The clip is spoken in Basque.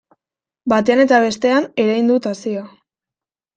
Batean eta bestean erein dut hazia.